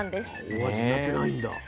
大味になってないんだ。